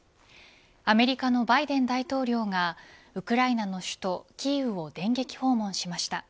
アメリカのバイデン大統領がウクライナの首都キーウを電撃訪問しました。